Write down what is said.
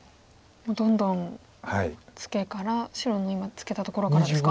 もうどんどんツケから白の今ツケたところからですか？